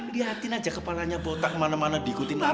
liatin aja kepalanya botak mana mana diikutin alat